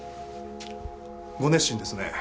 ご熱心ですねえ